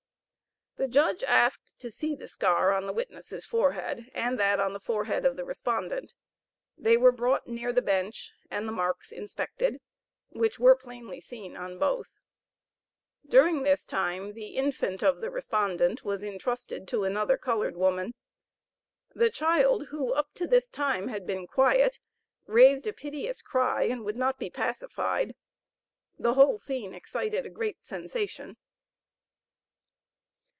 The Judge asked to see the scar on the witness' forehead and that on the forehead of the respondent. They were brought near the bench, and the marks inspected, which were plainly seen on both. During this time the infant of the respondent was entrusted to another colored woman. The child, who, up to this time, had been quiet, raised a piteous cry and would not be pacified. The whole scene excited a great sensation.